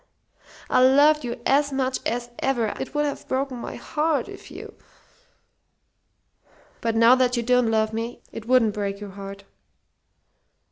I loved you as much as ever. It would have broken my heart if you " "But now that you don't love me, it wouldn't break your heart."